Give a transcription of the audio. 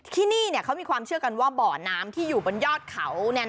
ที่นี่เขามีความเชื่อกันว่าบ่อน้ำที่อยู่บนยอดเขา